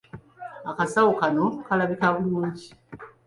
Akasawo kano kalabika bulungi.